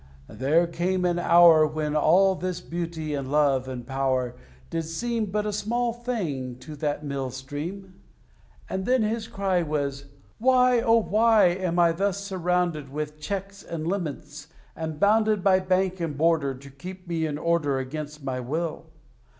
There came an hour When all this beauty and love and power Did seem But a small thing to that Mill Stream. And then his cry Was, "Why, oh! why Am I thus surrounded With checks and limits, and bounded By bank and border To keep me in order, Against my will?